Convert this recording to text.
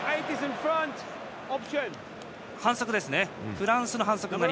フランスの反則です。